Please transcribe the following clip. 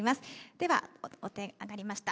では、お手挙がりました。